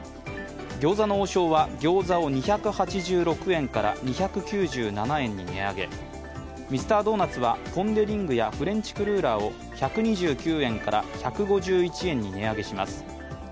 餃子の王将はギョーザを２８６円から２９７円に値上げ、ミスタードーナツは、ポン・デ・リングやフレンチクルーラーを１２９円から１５１円に値上げします。